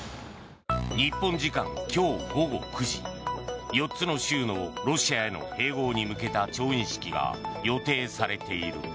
日本時間今日午後９時４つの州のロシアへの併合に向けた調印式が予定されている。